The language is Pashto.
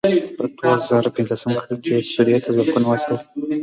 په دوه زره پنځلسم کال کې یې سوريې ته ځواکونه واستول.